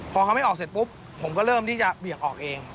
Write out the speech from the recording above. พอเขาไม่ออกเสร็จปุ๊บผมก็เริ่มที่จะเบี่ยงออกเอง